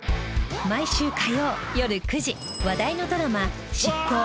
毎週火曜よる９時話題のドラマ『シッコウ！！